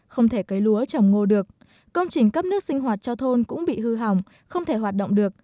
không thể cấy lúa trồng ngô được công trình cấp nước sinh hoạt cho thôn cũng bị hư hỏng không thể hoạt động được